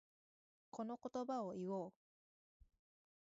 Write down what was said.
この言葉を言おう。